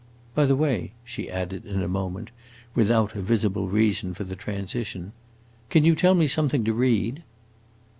By the way," she added in a moment, without a visible reason for the transition, "can you tell me something to read?"